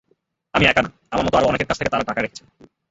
আমি একা না, আমার মতো আরও অনেকের কাছ থেকে তাঁরা টাকা রেখেছেন।